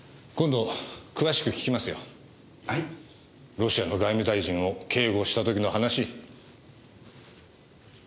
ロシアの外務大臣を警護した時の話。